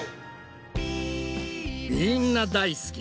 みんな大好き！